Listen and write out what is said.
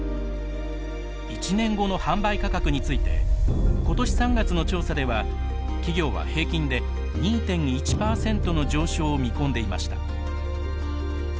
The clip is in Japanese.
１年後の販売価格について今年３月の調査では企業は平均で２．１％の上昇を見込んでいました。